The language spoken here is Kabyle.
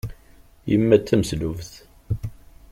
Yemma d tameslubt.